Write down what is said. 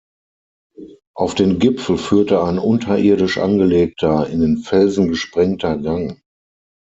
Auf den Gipfel führte ein unterirdisch angelegter, in den Felsen gesprengter Gang.